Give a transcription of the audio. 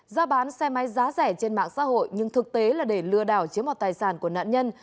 gia bán xe máy giá rẻ trên mạng xã hội nhưng thực tế là để lừa đảo chiếm mọt tài sản của nạn nhân